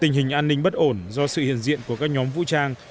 tình hình an ninh bất ổn do sự hiện diện của các nhóm vũ trang